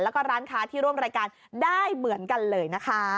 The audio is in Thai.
แล้วก็ร้านค้าที่ร่วมรายการได้เหมือนกันเลยนะคะ